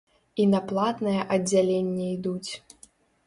І на платнае аддзяленне ідуць!